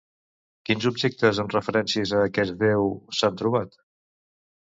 Quins objectes amb referències a aquest déu s'han trobat?